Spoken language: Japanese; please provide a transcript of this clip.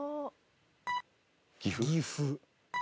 岐阜。